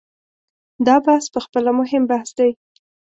دا بحث په خپله مهم بحث دی.